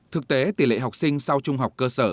thực tế tỷ lệ học sinh sau trung học cơ sở